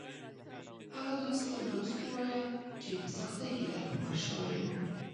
هغه دوست ته دوست ووایه چې په سختۍ کې در په کار شوی و